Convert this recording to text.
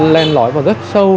lên lõi vào rất sâu